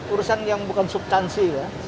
urusan yang bukan subtansi